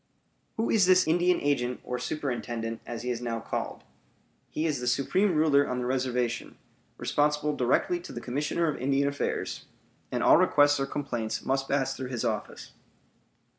Who is this Indian agent, or superintendent, as he is now called? He is the supreme ruler on the reservation, responsible directly to the Commissioner of Indian Affairs; and all requests or complaints must pass through his office.